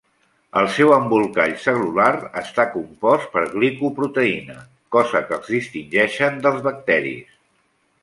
El seu embolcall cel·lular està compost per glicoproteïna, cosa que els distingeixen dels bacteris.